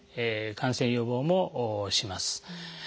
感染予防もします。